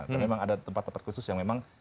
dan memang ada tempat tempat khusus yang memang